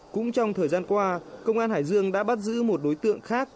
cũng trong thời gian qua công an hải dương đã bắt giữ một đối tượng khác